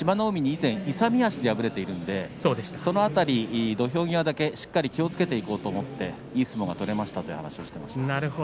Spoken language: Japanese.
海に以前勇み足で敗れているのでその辺り土俵際だけしっかり気をつけていこうと思っていい相撲が取れましたという話をしていました。